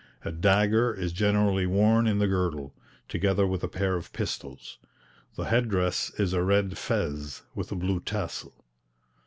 A dagger is generally worn in the girdle, together with a pair of pistols. The head dress is a red fez, with a blue tassel.